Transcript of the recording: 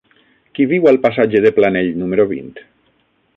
Qui viu al passatge de Planell número vint?